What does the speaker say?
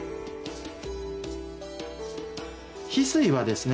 翡翠はですね